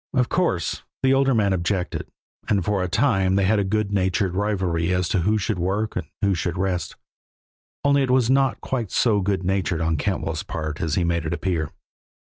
Of course the older man objected, and for a time they had a good natured rivalry as to who should work and who should rest only it was not quite so good natured on Cantwell's part as he made it appear.